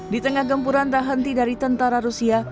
di tengah gempuran tak henti dari tentara rusia